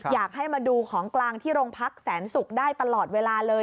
อยากให้มาดูของกลางที่โรงพักแสนศุกร์ได้ตลอดเวลาเลย